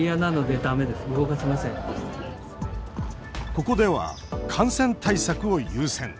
ここでは、感染対策を優先。